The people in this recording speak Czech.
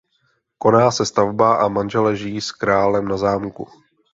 Koná se svatba a manželé žijí s králem na zámku.